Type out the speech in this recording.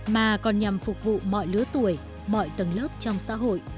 mà còn nhằm phục vụ mọi lứa tuổi mọi tầng lớp trong xã hội